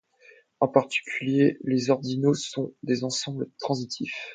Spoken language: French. En particulier Les ordinaux sont des ensembles transitifs.